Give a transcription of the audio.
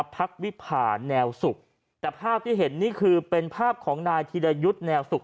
พักวิพาแนวสุขแต่ภาพที่เห็นนี่คือเป็นภาพของนายธีรยุทธ์แนวสุข